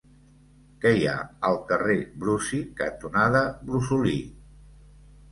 Què hi ha al carrer Brusi cantonada Brosolí?